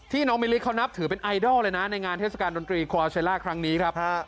น้องมิลิเขานับถือเป็นไอดอลเลยนะในงานเทศกาลดนตรีควาเชลล่าครั้งนี้ครับ